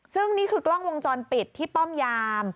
ซึ่งนี่คือกล้องวงจรปิดที่ป้อมยาม